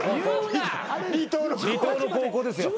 離島の高校ですよ。